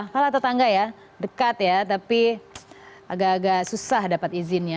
malah tetangga ya dekat ya tapi agak agak susah dapat izinnya